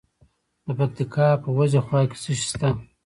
د پکتیکا په وازیخوا کې څه شی شته؟